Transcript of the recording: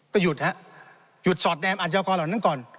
หยุดฮะหยุดสอดแนมอาชญากรเหล่านั้นก่อน